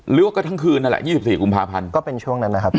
หรือว่าก็ทั้งคืนนั่นแหละ๒๔กุมภาพันธ์ก็เป็นช่วงนั้นนะครับ